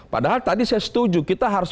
padahal tadi saya setuju kita harus